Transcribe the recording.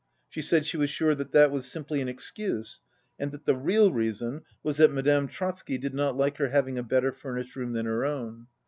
She said she was sure that was simply an excuse and that the real reason was that Madame Trotsky did not like her having a better furnished room than her own.